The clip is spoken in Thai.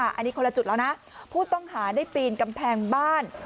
อันนี้คนละจุดแล้วนะผู้ต้องหาได้ปีนกำแพงบ้าน